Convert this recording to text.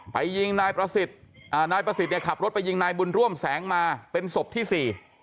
ไปยิงนายประสิทธิ์อ่านายประสิทธิ์เนี่ยขับรถไปยิงนายบุญร่วมแสงมาเป็นศพที่สี่